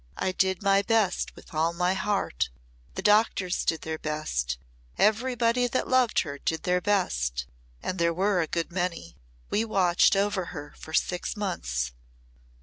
I did my best with all my heart, the doctors did their best, everybody that loved her did their best and there were a good many. We watched over her for six months."